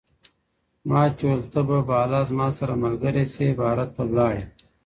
ما چي ول ته به بالا زما سره ملګری سې باره ته ولاړې